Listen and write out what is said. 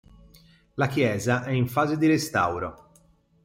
La chiesa è in fase di restauro.